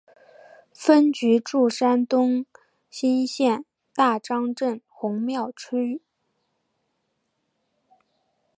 分局驻山东莘县大张家镇红庙村。